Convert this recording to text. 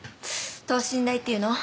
等身大っていうの？